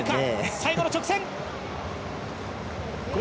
最後の直線！